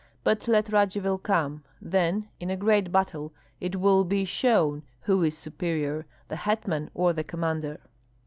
But let Radzivill come, then in a great battle it will be shown who is superior, the hetman or the commander."